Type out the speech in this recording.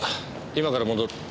今から戻る。